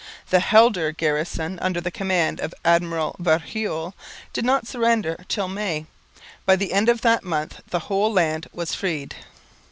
The Helder garrison, under the command of Admiral Verhuell, did not surrender till May. By the end of that month the whole land was freed.